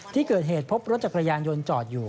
ที่เกิดเหตุพบรถจักรยานยนต์จอดอยู่